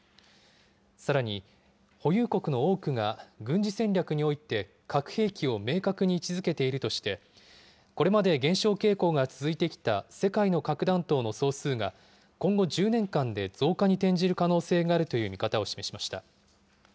さらに保有国の多くが、軍事戦略において核兵器を明確に位置づけているとして、これまで減少傾向が続いてきた世界の核弾頭の総数が、今後１０年間で増加に転じる可能性があるという見方を示しました。